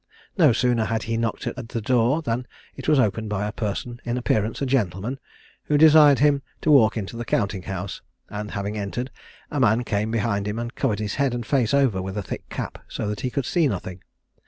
No sooner had he knocked at the door than it was opened by a person, in appearance a gentleman, who desired him to walk into the counting house, and, having entered, a man came behind him, and covered his head and face over with a thick cap, so that he could see nothing.